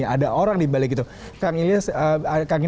ada ar lagi yang lain